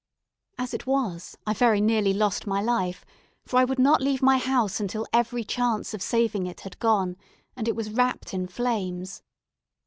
As it was, I very nearly lost my life, for I would not leave my house until every chance of saving it had gone, and it was wrapped in flames.